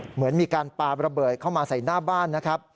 เหมือนมีการปาระเบิดเข้ามาใส่หน้าบ้านนะครับ